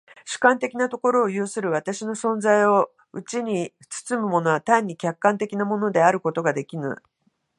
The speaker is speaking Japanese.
主観的なところを有する私の存在をうちに包むものは単に客観的なものであることができぬ。